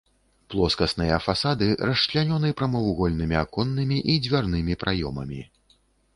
Плоскасныя фасады расчлянёны прамавугольнымі аконнымі і дзвярнымі праёмамі.